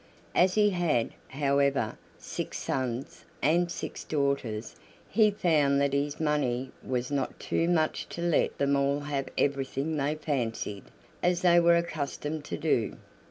As he had, however, six sons and six daughters, he found that his money was not too much to let them all have everything they fancied, as they were accustomed to do.